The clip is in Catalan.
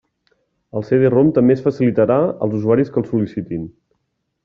El CD-ROM també es facilitarà als usuaris que el sol·licitin.